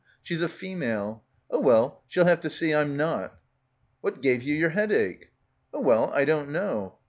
"She's a female. Oh well, she'll have to see I'm not." "What gave you yer headache?" "Oh well, I don't know.